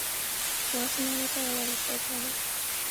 ボワソナードタワーは立派である